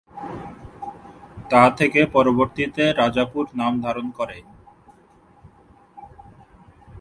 তা থেকে পরবর্তীতে রাজাপুর নাম ধারণ করে।